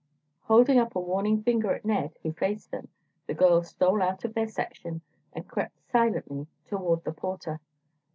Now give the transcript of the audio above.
Holding up a warning finger at Ned, who faced them, the girls stole out of their section and crept silently toward the porter.